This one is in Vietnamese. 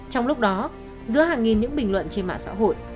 trong lúc đó giữa hàng nghìn những bình luận trên mạng xã hội